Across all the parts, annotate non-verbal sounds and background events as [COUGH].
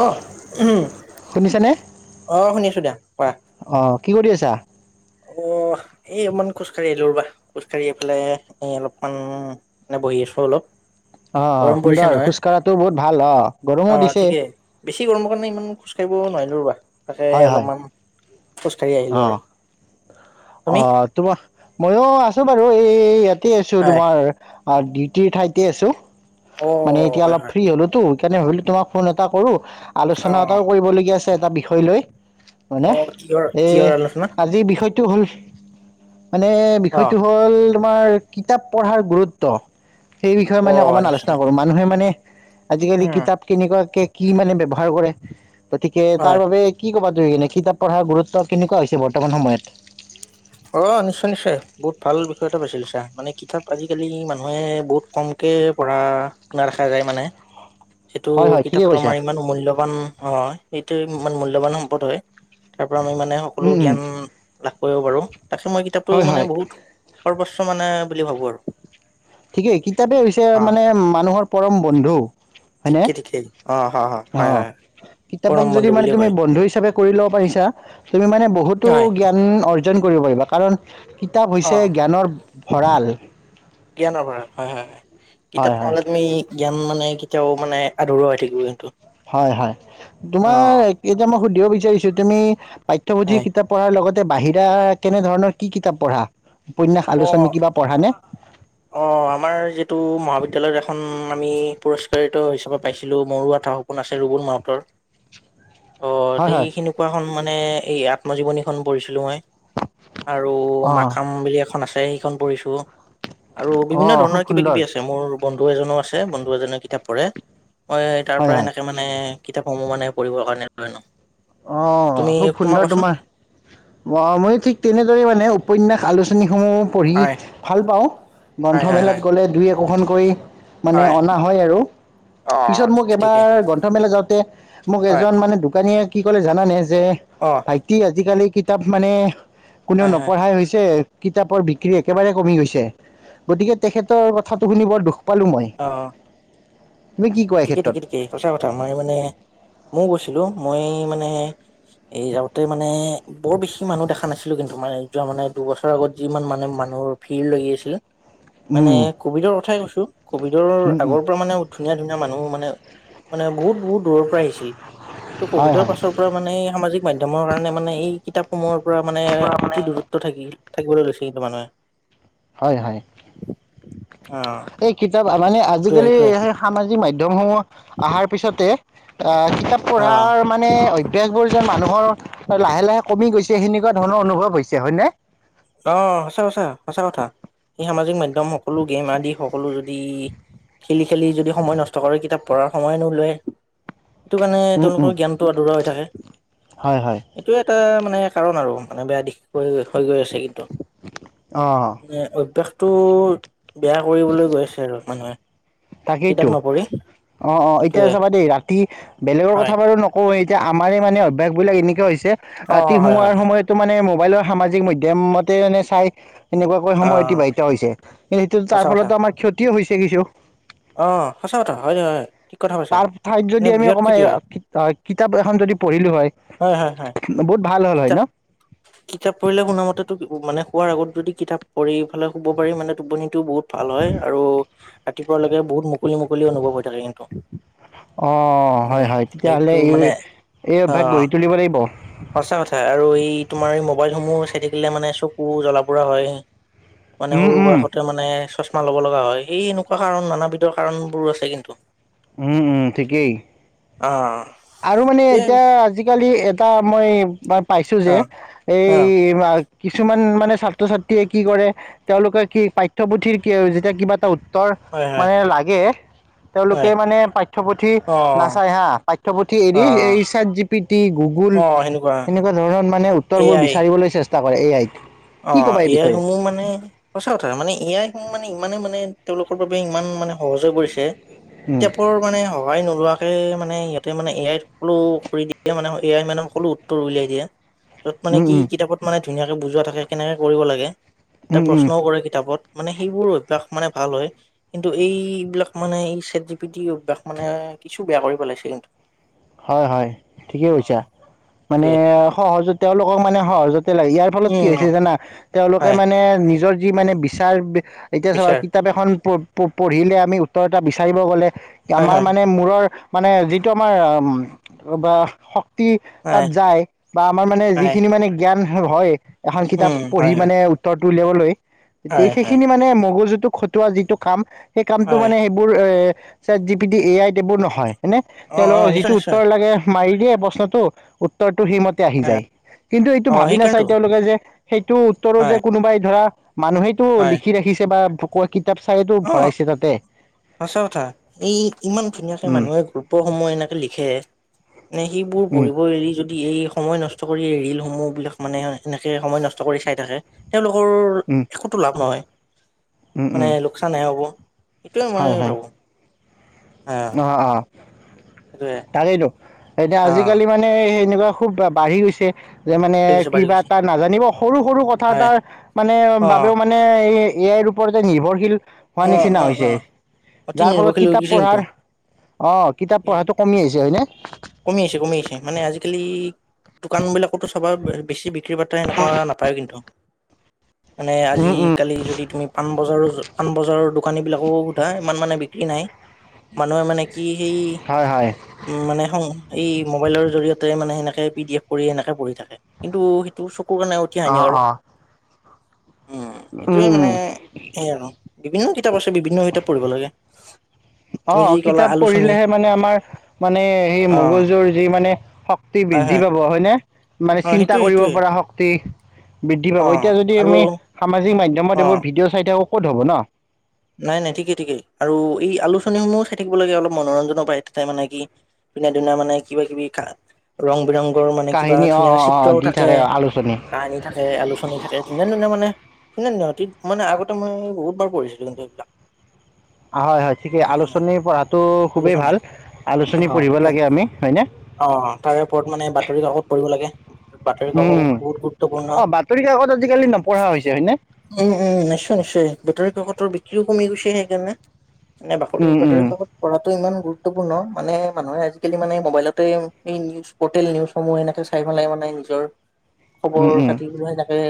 অহ উ শুনিছানে অহ শুনিছো দিয়া কোৱা। অ কি কৰি আছা। অ' এই অকমান খোজকাঢ়ি আহিলো ৰবা খোজ কাঢ়ি আহি পেলে এই অলপমান বহি আছো অলপ অ গৰম পৰিছে সুন্দৰ নহয় খোজ কঢ়াটো বহুত ভাল অ গৰমো অ' দিছে ঠিকেই বেছি গৰমৰ কাৰণে ইমান খোজ সেইবোৰ নোৱাৰিলো ৰবা তাকে হয় হয় অলপমান খোজকাঢ়ি আহিলো অ আৰু তুমি অ' তোমাৰ ময়ো আছো বাৰু এই ইয়াতে আছো হয় তোমাৰ ডিউটিৰ ঠাইতে আছো অ মানে এতিয়া হয় অলপ হয় ফ্ৰী হ'লোতো। সেইকাৰণে ভাবিলো তোমাক ফোন এটা কৰো। অ আলোচনা এটাও কৰিবলগীয়া আছে এটা বিষয় লৈ অ' কিহৰ? এ কিহৰ আলোচনা আজিৰ বিষয়টো হ'ল মানে অ বিষয়টো হ'ল তোমাৰ কিতাপ পঢ়াৰ গুৰুত্ব, সেই বিষয়ে অ মানে অকমান আলোচনা নিশ্চয় কৰো মানুহে মানে আজিকালি উম কিতাপ কেনেকুৱাকে কি মানে ব্যৱহাৰ কৰে। গতিকে হয় তাৰ বাবে কি ক'বা তুমি? কিতাপ পঢ়াৰ গুৰুত্ব কেনেকুৱা হৈছে বৰ্তমান সময়ত। অ' নিশ্চয়, নিশ্চয় বহুত ভাল বিষয় এটা বাছি লৈছা মানে কিতাপ আজিকালি মানুহে বহুত কম এনকে পঢ়া-শুনা দেখা যায় মানে হয়। সেইটো হয় ঠিকে কিতাপটো কৈছা। আমাৰ ইমান মূল্যবান অ' সেইটো ইমান মূল্যবান সম্পদ হয় তাৰ আমি মানে উম সকলো উম জ্ঞান লাভ কৰিব পাৰো। তাকে মই কিতাপটো হয় হয় মানে বহুত সৰ্বস্ব মানে বুলি ভাবো আৰু ঠিকেই কিতাপে হৈছে অ মানে মানুহৰ পৰম বন্ধু। হয়নে ঠিকেই ঠিকেই অ হয় হয় হয় অ' হয় কিতাপক পৰম যদি বন্ধু মানে বুলিয়ে তুমি কয় বন্ধু হিচাপে কৰি ল'ব পাৰিছা তুমি মানে বহুতো হয় জ্ঞান অৰ্জন কৰিব পাৰিবা কাৰণ কিতাপ অ হৈছে জ্ঞানৰ ভঁৰাল। হয়-হয়-হয় কিতাপ হয় হয় নহ'লে তুমি জ্ঞান মানে কেতিয়াও মানে আধৰুৱা হৈ থাকিব কিন্তু হয় হয়, অ তোমাৰ এতিয়া মই সুধিব বিচাৰিছো তুমি পাঠ্যপুথি হয় কিতাপ পঢ়াৰ লগতে বাহিৰা কেনে ধৰণৰ কি কিতাপ পঢ়া? উপন্যাস অ আলোচনী কিবা পঢ়া নে? অ', আমাৰ যিটো মহাবিদ্যালয়ত এখন আমি পুৰস্কৃত হিচাপে পাইছিলোঁ মৰুৱাঠ ফপোন আছে ৰুবুল মাউতৰ। [UNINTELLIGIBLE] [UNINTELLIGIBLE] অ', হয় হয়। এইখনেকুৱা খন মানে এই আত্মজীৱনীখন পঢ়িছিলো মই। আৰু অ', মাকাম বুলি এখন আছে সেইখন পৰিঢ়ছো। আৰু বিভিন্ন অ', খুব ধৰণৰ কিবা সুন্দৰ। কিবি আছে, মোৰ বন্ধু এজনো আছে বন্ধু এজনে কিতাপ পঢ়ে। মই তাৰ হয়, পৰা হয়। এনেকে মানে কিতাপসমূহ মানে পঢ়িবৰ কাৰণে লৈ আনো। অ', তুমি খুব সুন্দৰ কোৱাচোন তোমাৰ, মইো ঠিক তেনেদৰে মানে উপন্যাস আলোচনীসমূহ পঢ়ি হয় ভাল পাওঁ, হয় হয় গ্ৰন্থমেলাত হয় গ'লে দুই একোখনকৈ মানে অনা হয় আৰু। অ পিছত মোক ঠিকে ঠিকে এবাৰ গ্ৰন্থমেলা যাওঁতে মোক হয় এজন মানে দোকানীয়ে কি ক'লে জানানে? যে অ ভাইটি আজিকালি কিতাপ মানে কোনেও হয় হয় নপঢ়াই হৈছে কিতাপৰ বিক্ৰী একেবাৰে কমি গৈছে, গতিকে তেখেতৰ কথাটো শুনি বৰ দুখ পালোঁমই। অ ঠিকে ঠিকে ঠিকে সচা কথা মই মানে, মৌ গৈছিলো মই মানে এই যাওঁতে মানে বৰ বেছি মানুহ দেখা নাছিলো কিন্তু মানে যোৱা মানে দুবছৰৰ আগত যিমান মানে মান মোৰ ভিৰ লাগি আছিলে। মানে উম, কভিডৰ কথাই কৈছো, কভিডৰ উম, উম, আগৰ পৰা মানে ধুনীয়া মানুহ মানে, মানে বহুত বহুত দূৰৰ পৰা আহিছিল, ত' হয়, কভিডৰ হয়। পাছৰ পৰা মানে এই সামাজিক মাধ্য়মৰ কাৰণে মানে এই কিতাপসমূহৰ পৰা মানে পৰা মানে কি দূৰত্ব থাকি থাকিবলৈ লৈছে কিন্তু মানুহে। হয় হয়, অ এই কিতাপ মানে সেইটোয়ে আজিকালি সেইটোয়ে সেই সামাজিক মাধয়ম দমসমূহ অহাৰ পিছতে কিতাপ অ পঢ়াৰ মানে অভ্যাসবোৰ মানুহৰ লাহে লাহে কমি গৈছে সেনেকুৱা ধৰণৰ অনুভৱ হৈছে হয় নে? অ', সঁচা সঁচা, সঁচা কথা। স সামাজিক মাধ্যম সকলো গেম আদি সকলো যদি খেলি খেলি যদি সময় নষ্ট কৰে কিতাপ পঢ়াৰ সময়নো লয় সেইটো কাৰণে উম তেওঁলোকৰ উম জ্ঞানটো আদৰা হৈ থাকে, হয় হয় এইটোৱে এটা মানে কাৰণ আৰু মানে বেয়া দিশৈ হৈ গৈ আছে কিন্তু, অ ম অভ্য়াস টো বেয়া কৰিবলৈ গৈ আছে আৰু মানুহে। কিতাপ তাকেইতো, নপঢ়ি অ', অ', এতিয়া সেইটোৱে চাবা দেই ৰাতি বেলেগৰ হয় কথা বাৰু নকওঁ এতিয়া আমাৰ মানে অভ্যাস বিলাক এনেকা হৈছে অ ৰাতি হয় হয় সুমুৱাৰ হয় সময়তো মানে মোবাইলৰ সামাজিক মাধ্যমতে মনে চাই এনেুৱাকৈ অ সময় অতিবাহিত হৈছে [UNINTELLIGIBLE] তাৰ সঁচা কথা ফলতো আমাৰ ক্ষতিও হৈছে কিছু। অ', সঁচা কথা হয়, হয়। ঠিক কথা কৈছা তাৰ ঠাইত মানে যদি আমি বৃহৎ অকণমান ক্ষতি হয় অ' কিতাপ এখন যদি পঢ়িলো হয়। বহুত ভাল হ'ল হয় কিতাপ, ন কিতাপ পঢ়িলে শুনা মতেটো মানে শুৱাৰ আগত যদি কিতাপ পঢ়িলৈ শুব পাৰি তেতিয়া টোপনিটো বহুত ভাল হয় আৰু ৰাতিপুৱালৈকে বহুত মুকলি, মুকলি অনুভৱ হৈ থাকে কিন্তু অ', হয় উম হয় তেতিয়াহলে সেইটো এই, মানে এই অভ্যাস গঢ়ি তুলিব লাগিব। এটা কথা আৰু এই তোমাৰ এই মোবাইলসমূহ চাই থাকিলে মানে চকু জ্বলা পুৰা হয়। মানে উম সৰু উম বয়সতে মানে চ [INAUDIBLE] মা ল'ব লগা হয়, এই এনেকুৱা কাৰণ নানাবিধৰ কাৰণ বোৰো আছে কিন্তু। উম উম ঠিকেই। অ'। আৰু মানে তে এতিয়া আজিকালি এটা মই পাইছো যে অ', এই অ', কিবা কিছুমান মানে ছাত্ৰ-ছাত্ৰীয়ে কি কৰে, তেওঁলোকে কি পাঠ্যপুথিৰ কি যেতিয়া কিবা এটা উত্তৰ হয়, হয়, মানে লাগে হয়, তেওঁলোকে মানে পাঠ্যপুথি অ', নাচায় হা পাঠ্য পাঠ্যপুথি এৰি অ', এই chat G P T, Google অ', সেনেকুৱা এনেকুৱা ধৰণৰ মানে এ উত্তৰবোৰ আই বিচাৰিবলৈ চেষ্টা চেষ্টা কৰে এ আই অ' এ আইসমূহ মানে সঁচা কথা মানে এ আইসমূহ মানে ইমানে মানে তেওঁলোকৰ বাবে ইমান মানে সহজ হৈ পৰিছে, উম, কিতাপৰ মানে সহায় নোলোৱাকে মানে সিহঁতে মানে এ আই সকলো কৰি দিয়ে মানে এ আই মানে সকলো উত্তৰ উলিয়াই দিয়ে। য'ত মানে উম, কি উম, কিতাপত মানে ধুনীয়াকে বুজোৱা থাকে কেনেকে কৰিব লাগে, এটা উম, উম, প্ৰশ্নও কৰে কিতাপত মানে সেইবোৰ অভ্যাস মানে ভাল হয়, কিন্তু এইবিলাক মানে এই চ্যাট জি পি টি অভ্যাস মানে কিছু বেয়া কৰি পেলাইছে কিন্তু। হয়, হয়, ঠিকে কৈছা, মানে সহজতে তেওঁলোকক মানে সহজতে লাগে। ইয়াৰ ফলত কি উম হৈছে জানা তেওঁলোকে হয় মানে নিজৰ যি মানে বিচাৰ এতিয়া চাবা বিচাৰ কিতাপ এখন প প পঢ়িলে আমি উত্তৰ এটা বিচাৰিব গ'লে হয় আমাৰ হয় মানে মূৰৰ মানে যিটো আমাৰ বা শক্তি তাত হয় যায় বা আমাৰ মানে হয় যিখিনি মানে জ্ঞান হয় এখন কিতাপ উম পঢ়ি হয় হয়। মানে উত্তৰটো উলিয়াবলৈ, তে হয় হয় সেইখিনি মানে মগজুত টো খটোৱা যিটো কাম সেই কামটো হয় মানে সেইবোৰ চ্যাট জি পি টি, এ আইত এইবোৰ নহয়। -মানে অ অ তেওঁলোকৰ নিশ্চয় যিটো নিশ্চয় উত্তৰ লাগে মাৰি দিয়ে প্ৰশ্নটো উত্তৰ সেইমতে আহি যায়। কিন্তু এইটো অ ভাবি নাচায় সেইকাৰণেতো তেওঁলোকে যে সেইটো উত্তৰো যে হয় কোনোবাই ধৰা মানুহেটো হয় লিখি ৰাখিছে বা [UNINTELLIGIBLE] কিতাপ চাইয়েটো অ ভৰাইছে তাতে। সঁচা কথা! এই ইমান ধুনীয়াকৈ উম মানুহে গল্পসমূহ এনেকে লিখে নে সেইবোৰ উম পঢ়িব এৰি যদি এই সময় নষ্ট কৰি ৰিলসমূহ বিলাক মানে এনেকে সময় নষ্ট কৰি চাই থাকে তেওঁলোকৰ উম একোটো লাভ নহয়। উম মানে উম লোকচানহে হ'ব। এইটোৱে মই হয় হয় ভাবোঁ। অ, অ সেইটোৱে তাকেইটো, এতিয়া আহ আজিকালি মানে এই এনেকুৱা খুব বাঢ়ি গৈছে। যে মানে বাঢ়ি গৈছে বাঢ়ি কিবা গৈছে এটা নাজানিব সৰু সৰু কথা হয় এটাৰ মানে অ বাবেও মানে এই এ আইৰ ওপৰতে নিৰ্ভৰশীল হোৱা অ নিচিনা অ হৈছে অ অতি যাৰ ফলত নিৰ্ভৰশীল হৈ কিতাপ গৈছে কিন্তু পঢ়াৰ অ' কিতাপ পঢ়াটো কমি আহিছে হয়নে? কমি আহিছে, কমি আহিছে, মানে আজিকালি দোকান বিলাকতো চাবা বেছি বিক্ৰী বিক্ৰী-পাটা হেনেকোৱা নাপায় কিন্তু। মানে উম উম আজি-কালি যদি তুমি পাণবজাৰৰ, পাণবজাৰৰ দোকানীবিলাককো সোধা ইমান মানে বিক্ৰী নাই। মানুহে মানে কি সেই হয় হয় উম মানে সং এই মোবাইলৰ জৰিয়তে মানে সেনেকে পি ডি এফ কৰি সেনেকে পঢ়ি থাকে কিন্তু সেইটো চব চকুৰ কাৰণে অতি অঁ হানিকাৰক। অঁ উম, সেইটোৱে মানে সেই আৰু বিভিন্ন কিতাপ আছে বিভিন্ন কিতাপ পঢ়িব লাগে। তুমি যি অ' ক'লা কিতাপ আলোচনী পঢ়িলেহে মানে আমাৰ মানে অ', মগজুৰ যি মানে শক্তি হয়, বৃদ্ধি হয়, পাব হয়নে? মানে অ', চিন্তা সেইটোয়ে কৰিব সেইটোয়ে পৰা শক্তি বৃদ্ধি পাব। অ', এতিয়া যদি আৰু আমি সামাজিক মাধ্যমত এইবোৰ অ', ভিডিঅ' চাই থাকো ক'ত হ'ব ন? নাই নাই ঠিকেই ঠিকেই আৰু এই আলোচনীসমূহো চাই থাকিব লাগে অলপ মনোৰঞ্জনৰ পাই তাতে মানে কি পিনা দিনা মানে কিবা কিবি কা ৰং বিৰঙৰ মানে কিবা কাহিনী অ', ধুনীয়া অ', অ', চিত্ৰও দি থাকে, আলোচনী কাহিনী থাকে, আলোচনী থাকে, ধুনীয়া ধুনীয়া মানে ধুনীয়া ধুনীয়া অতি, মানে আগতে মই বহুতবাৰ পঢ়িছিলো কিন্তু এইবিলাক। হয়, হয়, ঠিকেই উম আলোচনী পঢ়াটো খুবেই আলোচনী ভাল অ আলোচনী পঢ়িব সেইটোৱে লাগে আমি হয় নে? অ' তাৰে ওপৰত মানে বাতৰি কাকত পঢ়িব লাগে। বাতৰি কাকত উম, উম, বহুত গুৰুত্বপূৰ্ণ। অ', বাতৰি কাকত আজিকালি নপঢ়া হৈছে হয়নে? উম-উম, নিশ্চয়- নিশ্চয় বাতৰি কাকত ৰ বিক্ৰীও কমি গৈছে সেইকাৰণে, এ বাতৰি, উম, বাতৰি উম, কাকত। পঢ়াটো ইমান গুৰুত্বপূৰ্ণ মানে মানুহে আজিকালি মানে মবাইলতে নিউজ প'ৰ্টেল নিউজ সমূহ এনেকে চাই। ইফালে মানে নিজৰ খবৰ উম, উম, খাতি থাকে।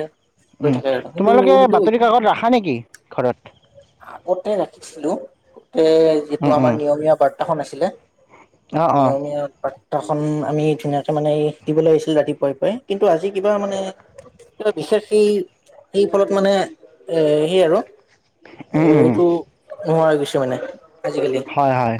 আৰু কিন্তু তোমালোকে সেইটো বাতৰি কাকত ৰাখা নেকি ঘৰত? আগতেই ৰাখিছিলো। গোটেই যিটো উম, আমাৰ উম, নিয়মীয়া বাৰ্তাখন আছিলে অ', অ', নিয়মীয়া পেপাৰখন। পেপাৰ খন আমি ধুনীয়াকে মানে দিবলৈ আহিছিল ৰাতিপুৱাই পুৱাই কিন্তু আজি কিবা মানে বিশেষ সেই সেই ফলত মানে এ সেই আৰু এ উম, উম, এইটো নোহোৱা হৈ গৈছে মানে। আজিকালি হয়, হয়,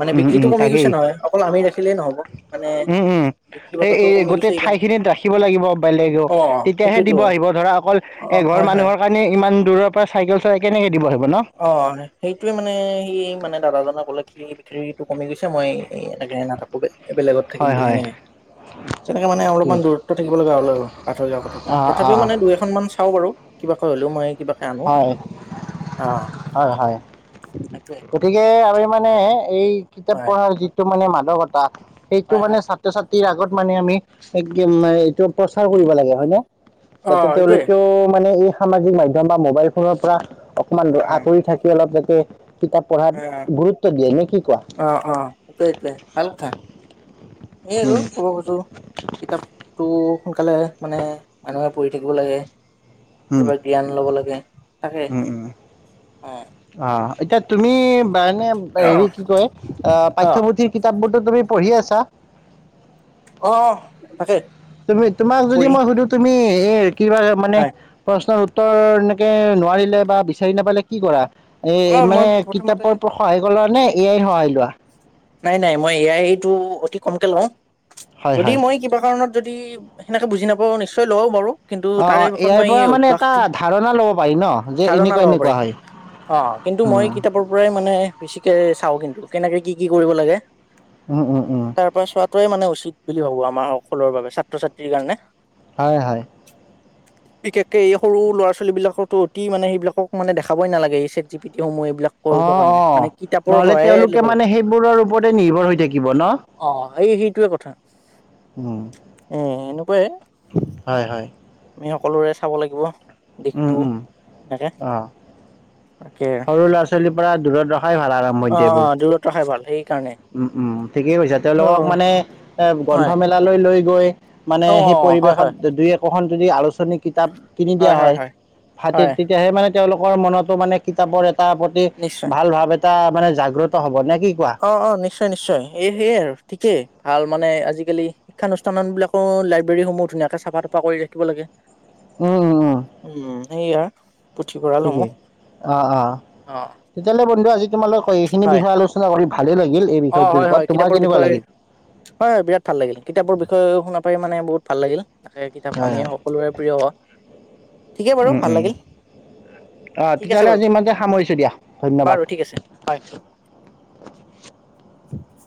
মানে উম, উম, বিক্ৰীতটো কমি গৈছে নহয়, অকল আমি ৰাখিলেই নহ'ব। মানে উম-উম। বিক্ৰী সেই বাৰ্তাটো এই কমি গৈছে গোটেই ঠাই সেইকাৰণে খিনিত ৰাখিব লাগিব বেলেগও, অ তেতিয়াহে সেইটোতো দিব আহিব ধৰা অকল অ এঘৰ হয় হয় মানুহৰ কাৰণে ইমান দূৰৰ পৰা চাইকেল চলাই কেনেকে দিব হি। অ' সেইটোৱে মানে সি মানে দাদাজনে ক'লে বিক্ৰি টো কমি গৈছে মই এনেকে নাথাকো ব বেলেগত থাকিম হয়, বুলি হয়, সেনেকে। তেনেকে মানে কি অলপমান দূৰত্ব থাকিব লগীয়া হ'ল আৰু আঁতৰি-আঁতৰি কথ অ', পৰা, তথাপিও মানে অ', দুই এখনমান চাও বাৰু কিবাকৈ হ'লেও মই কিবাকে আনো। অ হয়-হয় সেইটোৱে গতিকে আমি মানে এই কিতাপ হয় পঢ়াৰ যিটো মানে মাদকতা সেইটো হয় মানে হয় ছাত্ৰ-ছাত্ৰী আগত মানে আমি এইটো প্ৰচাৰ কৰিব লাগে হয় নে। অ যাতে এইটোৱে তেওঁলোকেও মানে এই সামাজিক মাধ্যম বা মোবাইল ফোনৰ পৰা অকমান অ আঁতৰি থাকি অলপ যাতে কিতাপ পঢ়াত গুৰুত্ব দিয়ে নে কি কোৱা? অ অ সেইটোৱে সেইটোৱে ভাল কথা এই আৰু উম, ক'ব খুজো কিতাপতো সোনকালে মানে মানুহে পঢ়ি থাকিব লাগে, কেতিয়াবা জ্ঞান ল'ব লাগে। তাকে অ উম-উম এতিয়া তুমি। কাৰণে হেৰি কি কয় আহ অ পাঠ্যপুথিৰ কিতাপ বোৰতো তুমি পঢ়ি আছা? অ' তাকে। তুমি তোমাক যদি পৰি মই সুধো তুমি এ কিবা মানে হয়। প্ৰশ্ন উত্তৰ ৰ এনেকৈ নোৱাৰিলে বা বিচাৰি নাপালে কি কৰা। অ এ মই মানে প্ৰথমতে কিতাপৰ পৰা সহায় কৰ লোৱা নে এ আইৰ সহায় লোৱা। নাই, নাই মই এয়াই সেটো অতি কমকে লও, হয় যদি হয় মই কিবা কাৰণত যদি সেনেকে বুজি নাপাও নিশ্চয় লও বাৰু কিন্তু অ অ এ তাৰেশেষত আইৰ মই পৰা এই মানে এটা অভ্যাসটো ধাৰণা ল'ব পাৰি ন যে ধাৰণা এনেকুৱা ল'ব এনেকুৱা পাৰিম। হয় অ' কিন্তু মই উম কিতাপৰ পৰাই মানে বেছিকে চাও কিন্তু কেনেকে কি, কি কৰিব লাগে। উম-উম-উম। সেইটো মানে উচিত বুলি ভাবো আমাৰ সকলৰ বাবে ছাত্ৰ- ছাত্ৰীৰ কাৰণে। হয়-হয়। বিশেষকে এই সৰু ল'ৰা-ছোৱালী বিলাকতো অতি মানে সেইবিলাকক মানে দেখাবই নালাগে এই চেট জি পিটি সমূহে বিলাক অ কৰিবৰ কাৰণে অ মানে কিতাপৰ নহ'লে সহায়ে তেওঁলোকে লিব মানে লাগে। সেইবোৰৰ ওপৰতে নিৰ্ভৰ হৈ থাকিব ন অ' এই সেইটোৱে কথা। উম উ' এনেকুৱা য়ে। হয় হয় আমি সকলোৰে চাব লাগিব উম দিশটো উম হয়নে। অ সৰু ল'ৰা-ছোৱালীৰ পৰা দূৰত ৰখাই ভাল, আৰাম। অ', -অ' দূৰত ৰখাই ভাল সেইকাৰণে। উম, উম ঠিকেই কৈছা, অ তেওঁলোকক মানে এ গ্ৰন্থ হয় মেলা লৈ গৈ গৈ, মানে অ সেই হয় পৰিৱেশত হয় দুই একোখন যদি আলোচ কিতাপ কিনি দিয়া হয়। ফাতিত হয় তেতিয়াহে মানে তেওঁলোকৰ মনতো মানে কিতাপৰ এ তাৰ প্ৰতি। নিশ্চয় ভাল ভাৱ এটা মানে জাগ্ৰত হ'ব নে কি কোৱা? অ', অ', নিশ্চয় নিশ্চয়। এই সেয়ে আৰু ঠিকেই ভাল মানে আজিকালি শিক্ষানুষ্ঠানবিলাকৰো লাইব্ৰেৰীসমূহ, ধুনীয়াকৈ চাফা তাফা কৰি ৰাখিব লাগে। উম, উম, উম, উম, সেয়া। ঠিকেই অ', অ', তেতিয়াহ'লে বন্ধু আজি তোমোক কয় এইখিনি হয় বিষয়ে আলোচনা কৰি ভালেই লাগি অ', হয় হয় কিতাপৰ বিষয়ে। হয় বিৰাট ভাল লাগিল কিতাপবোৰ বিষয়ে শুনা পাৰি মানে বহুত ভাল লাগিল তাকে কিতাপ হয়, আমি হয়, সকলোৰে প্ৰিয় ঠিকে বাৰু ভাল লাগিল। অহ ঠিক আছে তেতিয়াহ'লে বাৰু আজি ইমানতে সামৰিছোঁ দিয়া, ধন্যবাদ। বাৰু ঠিক আছে হয় [UNINTELLIGIBLE] উম